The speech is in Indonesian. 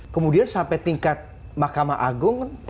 kemudian sampai tingkat mahkamah agung